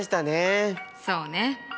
そうね。